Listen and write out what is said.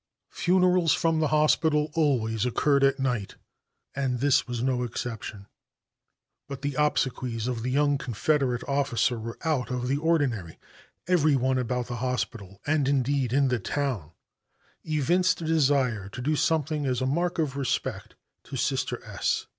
Funerals from the hospital always occurred at night, and this was no exception. But the obsequies of the young Confederate officer were out of the ordinary. Every one about the hospital, and, indeed, in the town, evinced a desire to do something as a mark of respect to Sister S